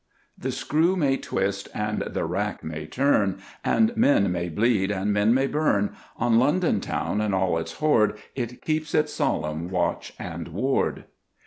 "The screw may twist and the rack may turn, And men may bleed and men may burn, On London town and all its hoard It keeps its solemn watch and ward!"